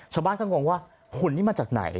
ชาวบ้านก็งงว่าหุ่นนี่มาจากไหน